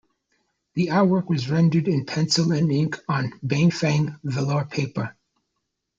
The artwork was rendered in pencil and ink on Bienfeng velour paper.